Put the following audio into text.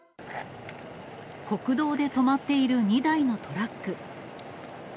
国道で止まっている２台のトラック。